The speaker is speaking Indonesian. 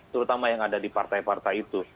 terutama yang ada di partai partai itu